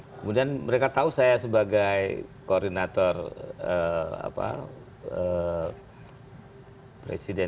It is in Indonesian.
kemudian mereka tahu saya sebagai koordinator presiden dua ribu sembilan belas